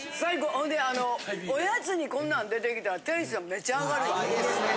ほんであのおやつにこんなん出てきたらテンションめちゃ上がるわ。